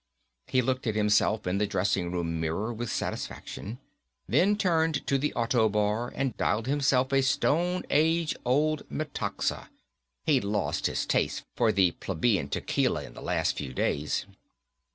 _ He looked at himself in the dressing room mirror with satisfaction, then turned to the autobar and dialed himself a stone age old Metaxa. He'd lost his taste for the plebian tequila in the last few days.